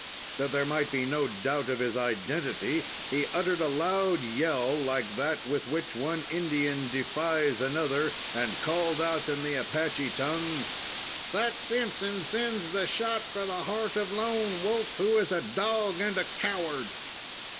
That there might be no doubt of his identity, he uttered a loud yell, like that with which one Indian defies another, and called out in the Apache tongue: "Sut Simpson sends the shot for the heart of Lone Wolf, who is a dog and a coward."